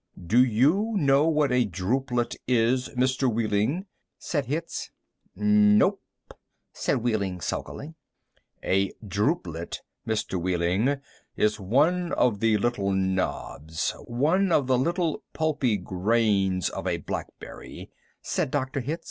Do you know what a drupelet is, Mr. Wehling?" said Hitz. "Nope," said Wehling sulkily. "A drupelet, Mr. Wehling, is one of the little knobs, one of the little pulpy grains of a blackberry," said Dr. Hitz.